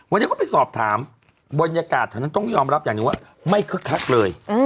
วันนี้เขาไปสอบถามบรรยากาศเท่านั้นต้องยอมรับอย่างหนึ่งว่าไม่คึกคักเลย